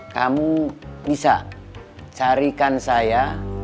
kamu bisa carikan saya